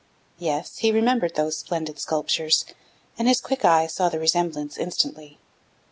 Yes, he remembered those splendid sculptures, and his quick eye saw the resemblance instantly.